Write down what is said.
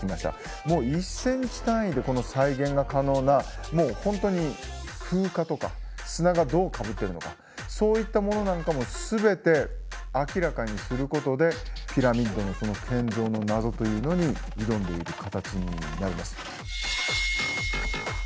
もう１センチ単位でこの再現が可能なもう本当に風化とか砂がどうかぶってるのかそういったものなんかも全て明らかにすることでピラミッドのこの建造の謎というのに挑んでいる形になります。